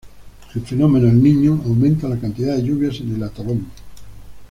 El fenómeno El Niño aumenta la cantidad de lluvias en el atolón.